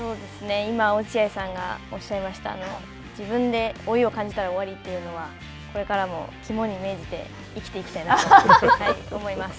今、落合さんがおっしゃいました自分で老いを感じたら終わりというのはこれからも肝に銘じて生きていきたいなと思います。